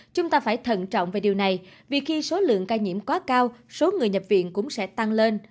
chúng ta phải thận trọng về điều này vì khi số lượng ca nhiễm quá cao số người nhập viện cũng sẽ tăng lên